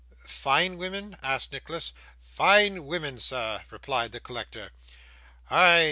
'Fine women?' asked Nicholas. 'Fine women, sir!' replied the collector; 'ay!